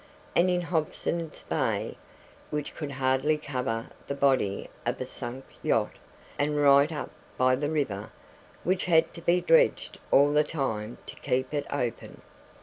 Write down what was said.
And in Hobson's Bay, which could hardly cover the body of a sunk yacht; and right up by the river, which had to be dredged all the time to keep it open!